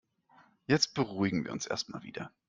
Jetzt beruhigen wir uns erstmal wieder.